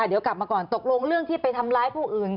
เดี๋ยวกลับมาก่อนตกลงเรื่องที่ไปทำร้ายผู้อื่น